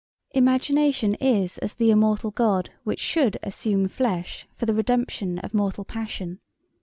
Imagination is as the immortal God which should assume flesh for the redemption of mortal passion.